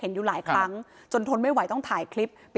อยู่หลายครั้งจนทนไม่ไหวต้องถ่ายคลิป